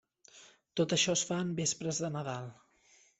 Tot això es fa en vespres de Nadal.